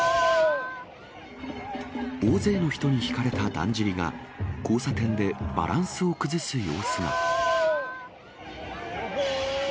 大勢の人に引かれただんじりが、交差点でバランスを崩す様子が。